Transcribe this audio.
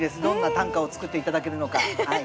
どんな短歌を作って頂けるのか。